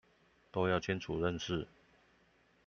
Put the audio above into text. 都要清楚認識